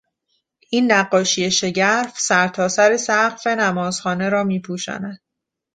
این نقاشی شگرف، سرتاسر سقف نمازخانه را می پوشاند.